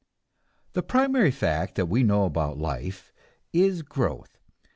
The primary fact that we know about life is growth.